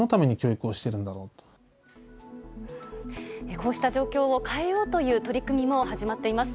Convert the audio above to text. こうした状況を変えようという取り組みも始まっています。